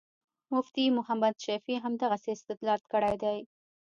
مفتي محمد شفیع همدغسې استدلال کړی دی.